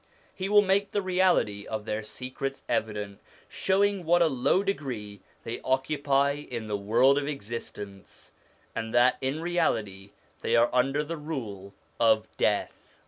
He will make the reality of their secrets evident, showing what a low degree they occupy in the world of existence, and that in reality they are under the rule ot death.